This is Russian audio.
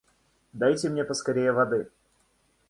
Дайте мне поскорей воды!